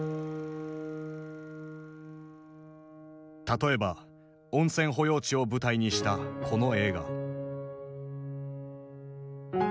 例えば温泉保養地を舞台にしたこの映画。